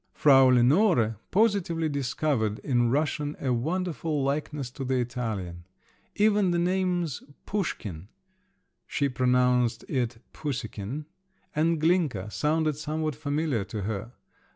Frau Lenore positively discovered in Russian a wonderful likeness to the Italian. Even the names Pushkin (she pronounced it Pussekin) and Glinka sounded somewhat familiar to her.